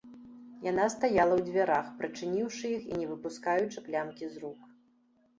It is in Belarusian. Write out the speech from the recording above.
Яна стаяла ў дзвярах, прычыніўшы іх і не выпускаючы клямкі з рук.